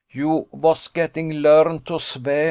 ] You vas gatting learn to svear.